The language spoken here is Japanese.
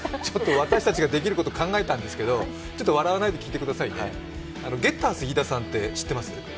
私たちができること考えたんですけど笑わないで聞いてくださいね、ゲッターズ飯田さんって知ってます？